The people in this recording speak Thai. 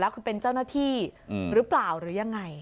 คือเป็นเจ้าหน้าที่หรือเปล่าหรือยังไง